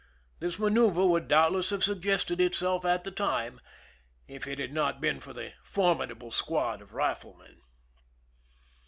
This manceuver would doubtless have suggested itself at the time, if it had not been for the formi dable squad of riflemen.